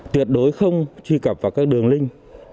tuyệt đối không truy cập vào các đường linh